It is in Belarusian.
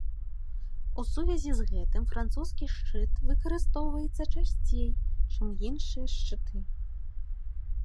У сувязі з гэтым французскі шчыт выкарыстоўваецца часцей, чым іншыя шчыты.